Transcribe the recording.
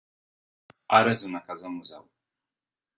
Ara és una casa museu.